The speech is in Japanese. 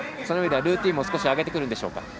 その意味ではルーティンも少し上げてくるんでしょうか。